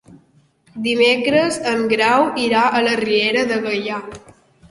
Dimecres en Grau irà a la Riera de Gaià.